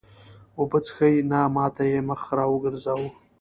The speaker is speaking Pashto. اوبه څښې؟ نه، ما ته یې مخ را وګرځاوه.